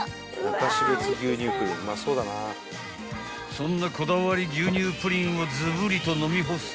［そんなこだわり牛乳プリンをズブリとのみ干すと］